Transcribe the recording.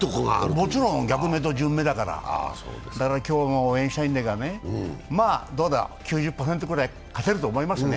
もちろん、逆目と順目だからだから今日も応援したいんだが９０％ぐらい勝てると思うけどね。